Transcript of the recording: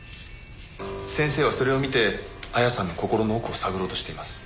先生はそれを見て亜矢さんの心の奥を探ろうとしています。